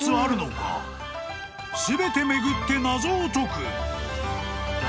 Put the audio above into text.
［全て巡って謎を解く］